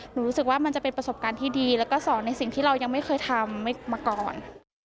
รู้สึกว่ามันจะเป็นประสบการณ์ที่ดีแล้วก็สอนในสิ่งที่เรายังไม่เคยทำมาก่อน